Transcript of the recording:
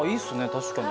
確かに。